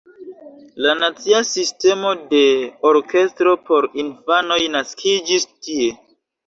La nacia sistemo de orkestro por infanoj naskiĝis tie.